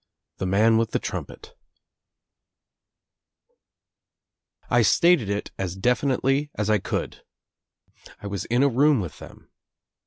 THE MAN WITH THE TRUMPETT T STATED it as definitely as I could. * I was in a room with them.